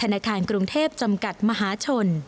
ธนาคารกรุงเทพจำกัดมหาชน